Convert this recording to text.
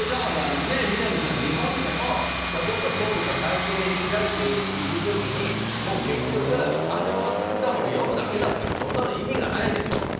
南さん、日本でも例えば総理が会見を開いている時に結局、官僚が作ったものを読むだけだったらそんなの意味がないでしょう。